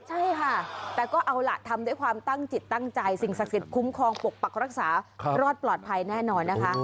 ใช่ค่ะแต่ก็เอาล่ะทำด้วยความตั้งจิตตั้งใจสิ่งศักดิ์สิทธิคุ้มครองปกปักรักษารอดปลอดภัยแน่นอนนะคะ